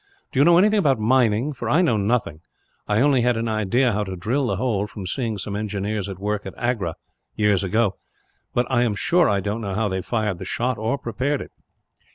"Do you know anything about mining, for I know nothing? I only had an idea how to drill the hole from seeing some engineers at work at Agra, years ago; but I am sure I don't know how they fired the shot, or prepared it."